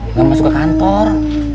nggak masuk ke kantor